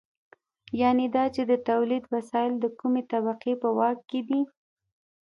یانې دا چې د تولید وسایل د کومې طبقې په واک کې دي.